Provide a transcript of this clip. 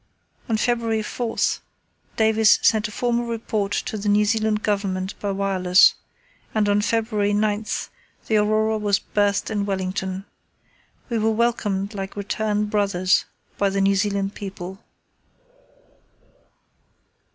On February 4 Davis sent a formal report to the New Zealand Government by wireless, and on February 9 the Aurora was berthed at Wellington. We were welcomed like returned brothers by the New Zealand people.